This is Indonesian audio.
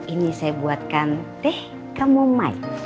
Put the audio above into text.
ini saya buatkan teh kamui